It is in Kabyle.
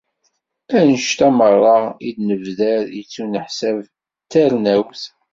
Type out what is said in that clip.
Annect-a merra i d-nebder, yettuneḥsab d tarnawt.